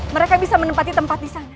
mereka bisa menempati tempat disana